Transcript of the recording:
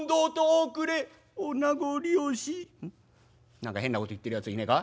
何か変なこと言ってるやついねえか？